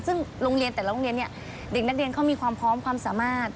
ซึ่งโรงเรียนแต่ละโรงเรียนเนี่ยเด็กนักเรียนเขามีความพร้อมความสามารถ